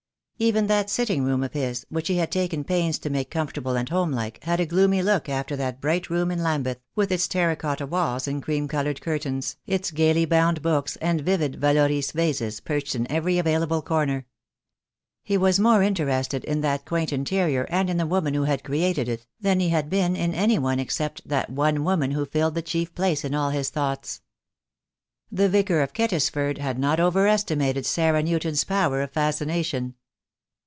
Even that sitting room of his, which he had taken pains to make comfortable and home like, had a gloomy look after that bright room in Lambeth, with its terra cotta walls and cream coloured curtains, its gaily bound books and vivid Vallauris vases perched in every avail able corner. He was more interested in that quaint interior, and in the woman who had created it, than he had been in any one except that one woman who filled the chief place in all his thoughts. The Vicar of Kettisford had not over estimated Sarah Newton's power of fascination.